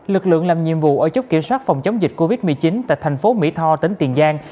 lực lượng làm nhiệm vụ ở chốt kiểm soát phòng chống dịch covid một mươi chín tại thành phố mỹ tho tỉnh tiền giang